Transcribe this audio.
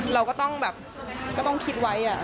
เราก็ต้องแบบก็ต้องคิดไว้